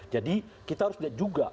jadi kita harus lihat juga